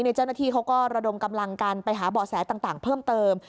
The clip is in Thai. เจ้าหน้าที่เขาก็ระดมกำลังกันไปหาเบาะแสต่างเพิ่มเติม